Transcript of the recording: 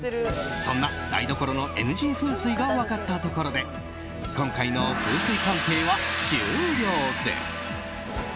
そんな台所のＮＧ風水が分かったところで今回の風水鑑定は終了です。